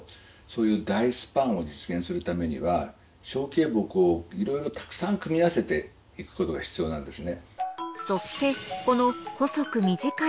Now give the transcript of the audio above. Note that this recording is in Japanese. そういう大スパンを実現するためには小径木をいろいろたくさん組み合わせて行くことが必要なんですね。